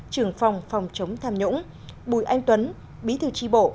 trưởng phòng phòng chống tham nhũng bùi anh tuấn bí thư tri bộ